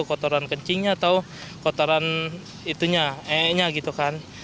kotoran kencingnya atau kotoran itunya e nya gitu kan